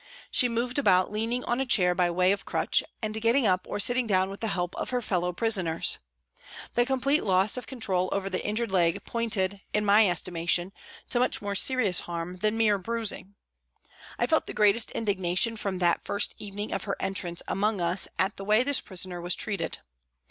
She moved about leaning on a chair by way of crutch and getting up or sitting down with the help of her fellow prisoners. The complete loss of control over the injured leg pointed, 118 PRISONS AND PRISONERS in my estimation, to much more serious harm than mere bruising. I felt the greatest indignation from that first evening of her entrance among us at the way this prisoner was treated.